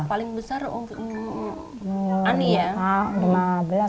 paling besar ani ya